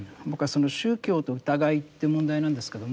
宗教と疑いって問題なんですけども。